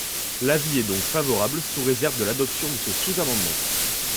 L’avis est donc favorable sous réserve de l’adoption de ce sous-amendement.